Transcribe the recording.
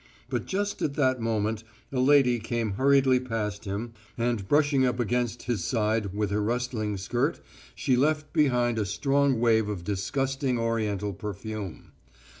But just at that moment a lady came hurriedly past him, and brushing up against his side with her rustling skirt she left behind a strong wave of disgusting Oriental perfume.